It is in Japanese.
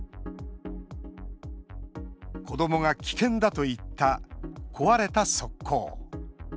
子どもが危険だと言った壊れた側溝。